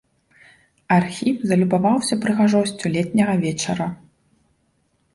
Архіп залюбаваўся прыгажосцю летняга вечара.